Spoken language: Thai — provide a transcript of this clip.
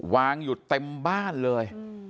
วางอยู่เต็มบ้านเลย